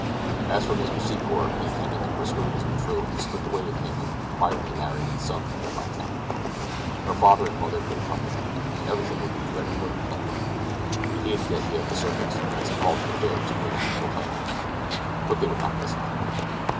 As for Mr. Secor, he attempted to persuade his betrothed to slip away with him and be quietly married in some nearby town. Her father and mother could accompany them, and everything would be regular and lovely. He hated the idea of "the circus," as he called the affair the two women were planning. But they would not listen to him.